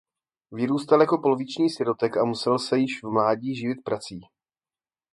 Vyrůstal jako poloviční sirotek a musel se již v mládí živit prací.